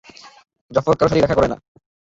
জাফর কারো সাথেই দেখা করে না।